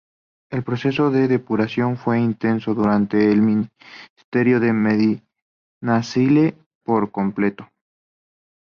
El proceso de depuración fue intenso durante el ministerio de Medinaceli, pero no completo.